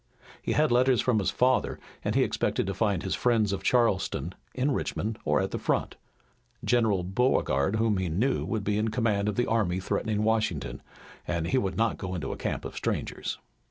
He had letters from his father and he expected to find his friends of Charleston in Richmond or at the front. General Beauregard, whom he knew, would be in command of the army threatening Washington, and he would not go into a camp of strangers.